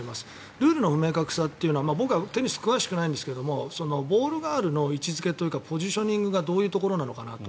ルールの不明確さっていうのは僕はテニスに詳しくないんですがボールガールの位置付けというかポジショニングがどういうところなのかなと。